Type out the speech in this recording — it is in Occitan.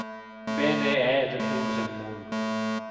Be ne hè de torns eth mon!